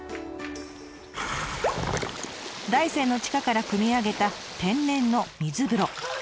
大山の地下からくみ上げた天然の水風呂。